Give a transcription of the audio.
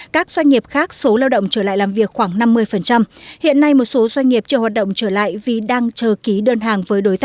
các doanh nghiệp khác số lao động trở lại làm việc khoảng năm mươi